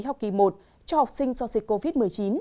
theo kỳ một cho học sinh do dịch covid một mươi chín